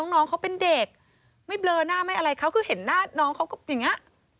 น้องเขาเป็นเด็กไม่เบลอหน้าไม่อะไรเขาคือเห็นหน้าน้องเขาก็อย่างนี้